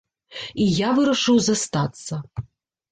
І я вырашыў застацца.